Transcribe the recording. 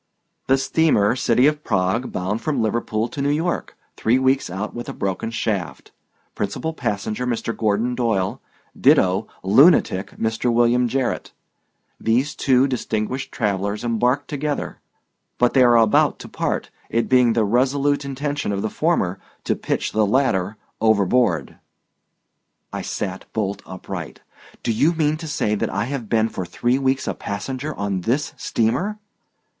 "The steamer City of Prague, bound from Liverpool to New York, three weeks out with a broken shaft. Principal passenger, Mr. Gordon Doyle; ditto lunatic, Mr. William Jarrett. These two distinguished travelers embarked together, but they are about to part, it being the resolute intention of the former to pitch the latter overboard." I sat bolt upright. "Do you mean to say that I have been for three weeks a passenger on this steamer?"